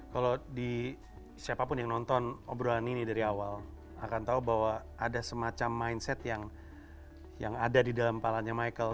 kalau di siapapun yang nonton obrolan ini dari awal akan tahu bahwa ada semacam mindset yang ada di dalam palanya michael